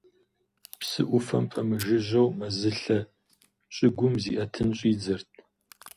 Псы ӏуфэм пэмыжыжьэу мэзылъэ щӏыгум зиӏэтын щӏидзэрт.